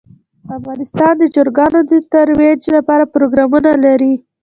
افغانستان د چرګان د ترویج لپاره پروګرامونه لري.